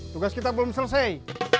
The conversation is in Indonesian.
tugas kita belum selesai